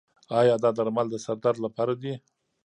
ایا دا درمل د سر درد لپاره دي؟